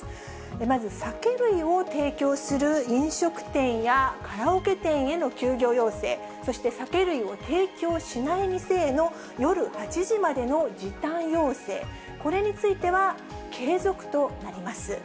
まず酒類を提供する飲食店やカラオケ店への休業要請、そして、酒類を提供しない店への夜８時までの時短要請、これについては継続となります。